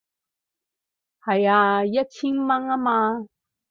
係啊，一千蚊吖嘛